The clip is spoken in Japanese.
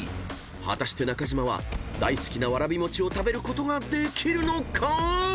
［果たして中島は大好きなわらび餅を食べることができるのか⁉］